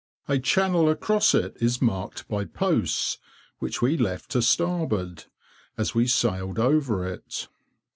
A channel across it is marked by posts, which we left to starboard, as we sailed over it.